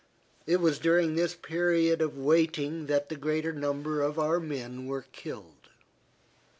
It was during this period of waiting that the greater number of our men were killed.